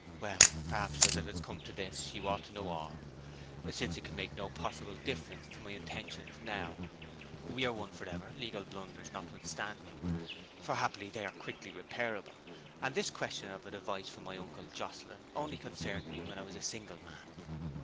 'Well, perhaps as it has come to this you ought to know all, since it can make no possible difference to my intentions now. We are one for ever legal blunders notwithstanding; for happily they are quickly reparable and this question of a devise from my uncle Jocelyn only concerned me when I was a single man.'